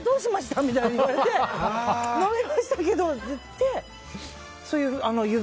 みたいに言われて飲みましたけどって言って。